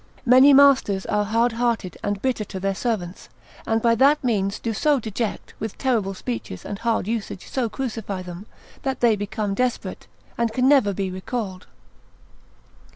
Many masters are hard hearted, and bitter to their servants, and by that means do so deject, with terrible speeches and hard usage so crucify them, that they become desperate, and can never be recalled.